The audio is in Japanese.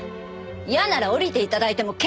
嫌なら降りて頂いても結構です！